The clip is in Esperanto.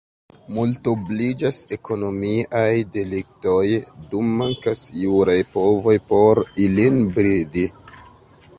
Multobliĝas ekonomiaj deliktoj, dum mankas juraj povoj por ilin bridi.